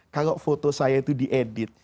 kalau foto saya itu diedit